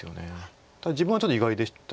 ただ自分はちょっと意外でした。